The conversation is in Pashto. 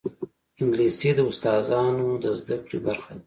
انګلیسي د استاذانو د زده کړې برخه ده